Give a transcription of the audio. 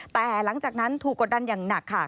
แต่หลังจากนั้นถูกกดดันอย่างหนักค่ะ